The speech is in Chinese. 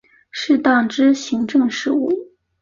适当之行政事务